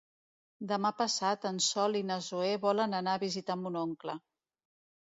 Demà passat en Sol i na Zoè volen anar a visitar mon oncle.